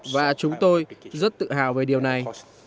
và chúng tôi rất tự hào về điều này